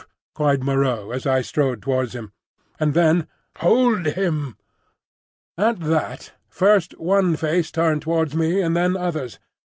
cried Moreau as I strode towards this, and then, "Hold him!" At that, first one face turned towards me and then others.